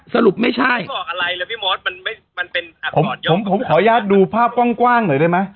สรุปไม่ใช่บอกอะไรเลยพี่มอสมันไม่มันเป็นผมผมผมขออนุญาตดูภาพกว้างกว้างหน่อยได้ไหม